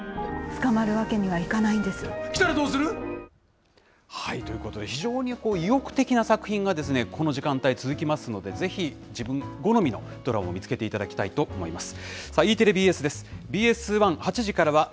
ご近所で力を合わせて、逃亡犯を捕まるわけにはいかないんで来たらどうする？ということで、非常に意欲的な作品がですね、この時間帯、続きますので、ぜひ、自分好みのドラマを見つけていただきたいと思います。